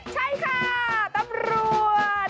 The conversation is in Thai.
ใช่ค่ะตำรวจ